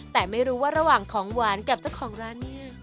แต่ไม่รู้ว่าระหว่างของหวานกับเจ้าของร้านเนี่ย